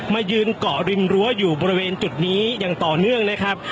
มายืนเกาะริมรั้วอยู่บริเวณจุดนี้อย่างต่อเนื่องนะครับ